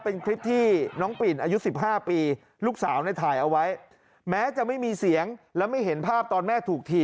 เป็นคลิปที่น้องปิ่นอายุ๑๕ปีลูกสาวน่ะถ่ายเอาไว้